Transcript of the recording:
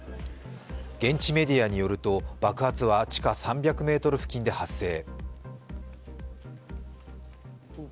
現地メディアによると爆発は地下３００ｍ付近で発生。